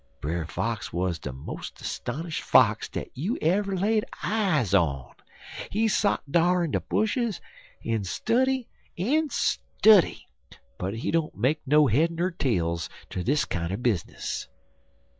Brer Fox wuz de mos' 'stonish Fox dat you ever laid eyes on. He sot off dar in de bushes en study en study, but he don't make no head ner tails ter dis kinder bizness.